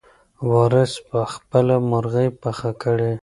وارث به خپله مرغۍ پخه کړي.